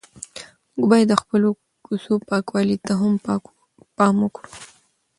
موږ باید د خپلو کوڅو پاکوالي ته هم پام وکړو.